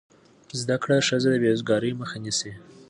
زده کړه ښځه د بېروزګارۍ مخه نیسي.